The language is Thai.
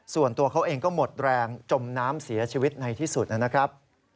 ส่วนตัวเขาเองก็หมดแรงจมน้ำเสียชีวิตในที่สุดนะครับ